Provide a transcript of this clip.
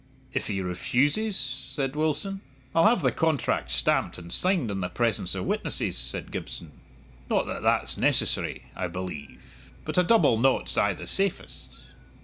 "If he refuses?" said Wilson. "I'll have the contract stamped and signed in the presence of witnesses," said Gibson. "Not that that's necessary, I believe, but a double knot's aye the safest."